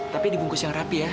tapi dibungkus yang rapi ya